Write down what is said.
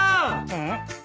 うん？